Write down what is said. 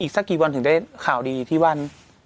สักกี่วันถึงได้ข่าวดีที่บ้าน